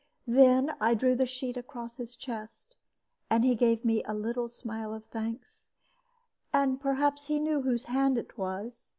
"Then I drew the sheet across his chest, and he gave me a little smile of thanks, and perhaps he knew whose hand it was.